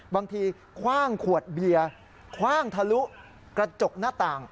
คว่างขวดเบียร์คว่างทะลุกระจกหน้าต่าง